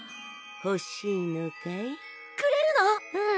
ほしいのかい？くれるの？